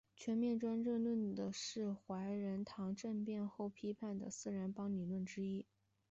全面专政论是怀仁堂政变后批判的四人帮理论之一。